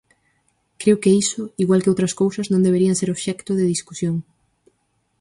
Creo que iso, igual que outras cousas, non deberían ser obxecto de discusión.